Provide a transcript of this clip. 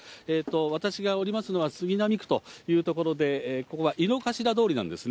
私がおりますのは杉並区という所で、ここは井の頭通りなんですね。